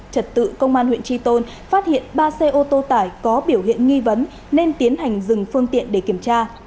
trật tự công an huyện tri tôn phát hiện ba xe ô tô tải có biểu hiện nghi vấn nên tiến hành dừng phương tiện để kiểm tra